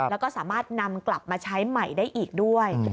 แล้วก็สามารถนำกลับมาใช้ใหม่ได้อีกด้วย